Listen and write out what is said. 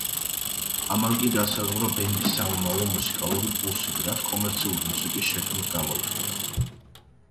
ამან კი განსაზღვრა ბენდის სამომავლო მუსიკალური კურსივი, რაც კომერციული მუსიკის შექმნით გამოიხატა.